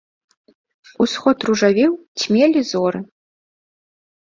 Усход ружавеў, цьмелі зоры.